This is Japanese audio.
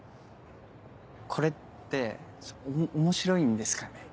これって面白いんですかね？